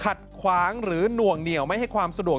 ขัดขวางหรือหน่วงเหนียวไม่ให้ความสะดวก